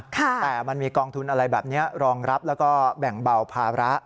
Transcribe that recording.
แต่มันมีกองทุนอะไรแบบนี้รองรับแล้วก็แบ่งเบาภาระ